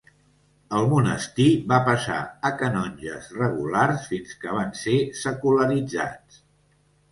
El monestir va passar a canonges regulars fins que van ser secularitzats.